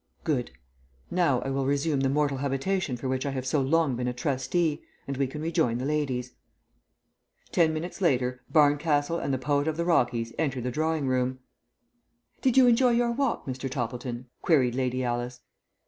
"Good. Now I will resume the mortal habitation for which I have so long been a trustee, and we can rejoin the ladies." Ten minutes later Barncastle and the Poet of the Rockies entered the drawing room. "Did you enjoy your walk, Mr. Toppleton?" queried Lady Alice.